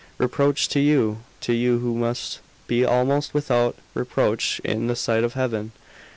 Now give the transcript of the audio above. "Reproach to you! To you, who must be almost without reproach in the sight of Heaven!